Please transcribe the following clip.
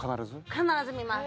必ず見ます。